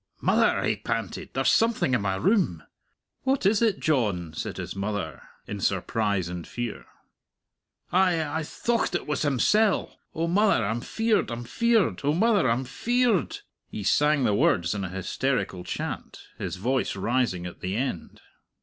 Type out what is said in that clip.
"Mother," he panted, "there's something in my room!" "What is it, John?" said his mother, in surprise and fear. "I I thocht it was himsell! O mother, I'm feared, I'm feared! O mother, I'm feared!" He sang the words in a hysterical chant, his voice rising at the end.